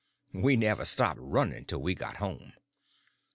We never stopped running till we got home.